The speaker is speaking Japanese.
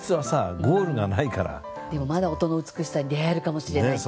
でも「まだ音の美しさに出会えるかもしれない」って。